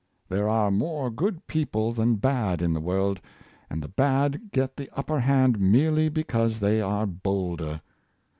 There are more good people than bad in the world, and the bad get the upper hand merely because they are bolder.